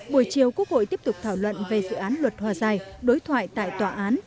buổi chiều quốc hội tiếp tục thảo luận về dự án luật hòa giải đối thoại tại tòa án